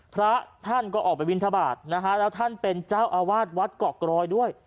พระท่านก็ออกไปบินทบาทนะฮะแล้วท่านเป็นเจ้าอาวาสวัดเกาะกรอยด้วย